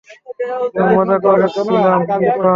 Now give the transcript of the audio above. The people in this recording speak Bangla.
আমি মজা করছিলাম, ইরফান।